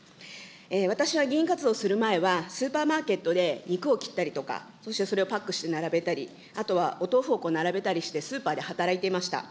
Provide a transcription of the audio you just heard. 私は議員活動をする前はスーパーマーケットで肉を切ったりとか、そしてそれをパックして並べたり、あとはお豆腐を並べたりしてスーパーで働いていました。